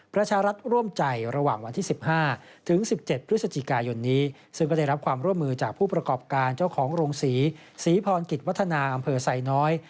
ประชารัฐร่วมใจระหว่างวันที่๑๕ถึง๑๗พฤศจิกายนนี้ซึ่งก็ได้รับความร่วมมือจากผู้ประกอบการเจ้าของโรงศรีศรีพรกิจวัฒนาอำเภอไซน้อย